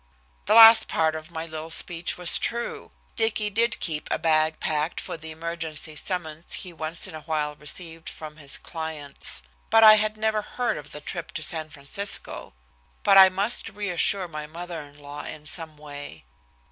The last part of my little speech was true. Dicky did keep a bag packed for the emergency summons he once in a while received from his clients. But I had never heard of the trip to San Francisco. But I must reassure my mother in law in some way.